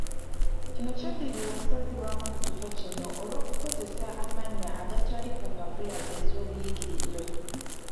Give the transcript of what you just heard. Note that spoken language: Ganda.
Kino kyaddirira okusazibwamu ku kifo kino olw'okukozesa amannya agatali ku mpapula ze ez'obuyigirize.